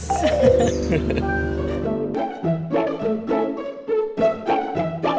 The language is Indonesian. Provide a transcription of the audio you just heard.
semoga utang saya ke pak aji